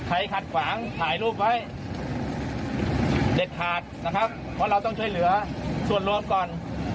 อันนี้ยากให้เอาไปเรียกกัน